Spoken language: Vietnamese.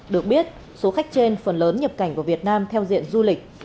được biết số khách trên phần lớn nhập cảnh của việt nam theo diện du lịch